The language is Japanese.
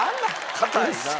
硬いな。